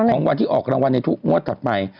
ของวันที่ออกรางวัลในทุกงวดถัดไป